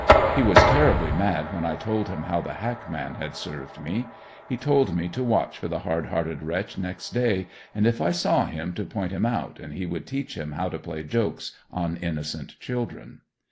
He was terribly mad when I told him how the hack man had served me; he told me to watch for the hard hearted wretch next day and if I saw him to point him out and he would teach him how to play jokes on innocent children.